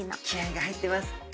気合いが入ってます。